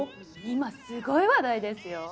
今すごい話題ですよ。